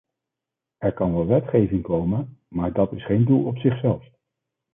Er kan wel wetgeving komen, maar dat is geen doel op zichzelf.